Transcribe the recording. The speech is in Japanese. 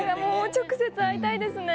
直接会いたいですね。